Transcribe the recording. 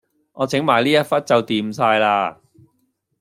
我整埋呢一忽就掂晒喇